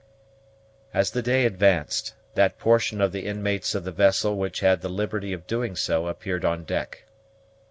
As the day advanced, that portion of the inmates of the vessel which had the liberty of doing so appeared on deck.